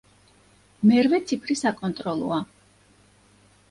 მერვე ციფრი საკონტროლოა.